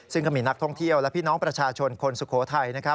ซึ่งก็มีนักท่องเที่ยวและพี่น้องประชาชนคนสุโขทัย